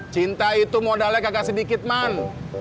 cinta itu modalnya agak sedikit man